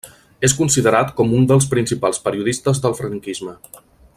És considerat com un dels principals periodistes del franquisme.